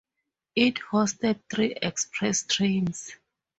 It hosted three express trains.